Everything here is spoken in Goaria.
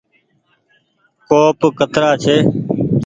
ڪوپ ڪترآ ڇي۔